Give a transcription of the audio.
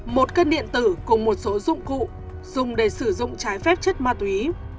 một cân điện tử cùng một số dụng cụ dùng để sử dụng trái phép chất ma túy